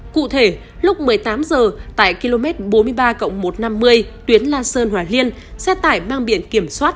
cụ thể lúc một mươi tám h tại km bốn mươi ba một trăm năm mươi tuyến la sơn hòa liên xe tải mang biển kiểm soát năm mươi h hai mươi bốn nghìn bảy trăm năm mươi bốn